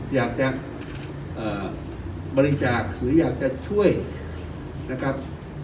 อยากจะบริจาคหรืออยากจะช่วยนะครับ